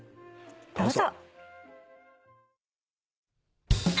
どうぞ。